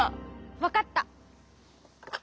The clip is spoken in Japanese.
わかった。